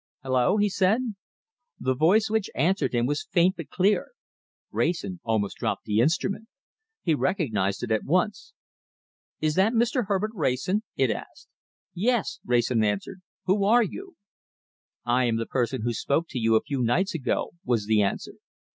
"Hullo!" he said. The voice which answered him was faint but clear. Wrayson almost dropped the instrument. He recognized it at once. "Is that Mr. Herbert Wrayson?" it asked. "Yes!" Wrayson answered. "Who are you?" "I am the person who spoke to you a few nights ago," was the answer.